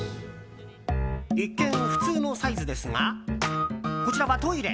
一見、普通のサイズですがこちらはトイレ。